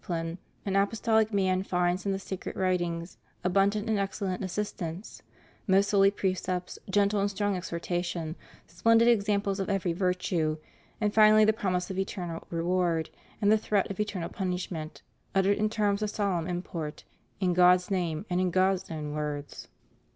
275 pline, an apostolic man finds in the sacred writings abun dant and excellent assistance; most holy precepts, gentle and strong exhortation, splendid examples of every virtue, and finally the promise of eternal reward and the threat of eternal punishment, uttered in terms of solemn import, in God's name and in God's own words.